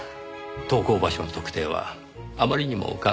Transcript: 投稿場所の特定はあまりにも簡単でした。